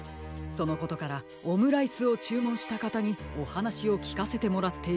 そのことからオムライスをちゅうもんしたかたにおはなしをきかせてもらっているのです。